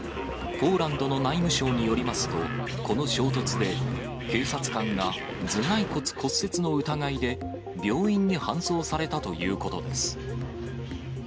ポーランドの内務省によりますと、この衝突で、警察官が頭蓋骨骨折の疑いで病院に搬送されたということです。